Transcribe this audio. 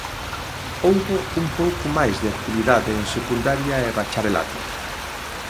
Houbo un pouco máis de actividade en secundaria e bacharelato.